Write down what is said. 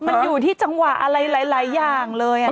มันอยู่ที่จังหวะอะไรหลายอย่างเลย